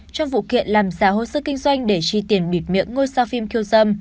trong vụ kiện làm giả hốt sức kinh doanh để chi tiền bịt miệng ngôi sao phim kiêu dâm